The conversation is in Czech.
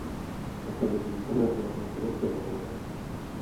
Patřil mezi významné obyvatele tyrolského Bolzana.